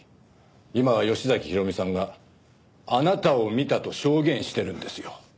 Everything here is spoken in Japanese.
今は吉崎弘美さんがあなたを見たと証言してるんですよ。